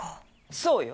そうよ。